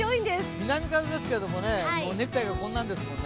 南風ですが、ネクタイがこんなですもんね。